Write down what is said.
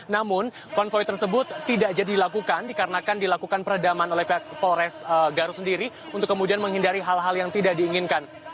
namun konvoy tersebut tidak jadi dilakukan dikarenakan dilakukan peredaman oleh pihak polres garut sendiri untuk kemudian menghindari hal hal yang tidak diinginkan